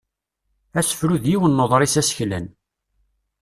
Asefru d yiwen n uḍris aseklan.